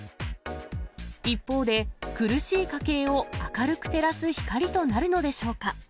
一方で、苦しい家計を明るく照らす光となるのでしょうか。